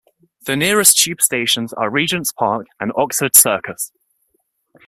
The nearest Tube stations are Regent's Park and Oxford Circus.